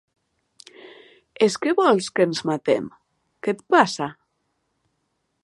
És que vols que ens matem? Què et passa?